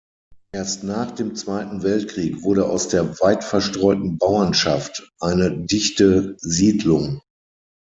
Erst nach dem Zweiten Weltkrieg wurde aus der weit verstreuten Bauerschaft eine dichte Siedlung.